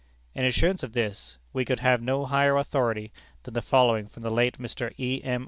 In assurance of this we could have no higher authority than the following from the late Mr. E. M.